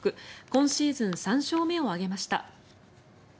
今シーズン３勝目を挙げました。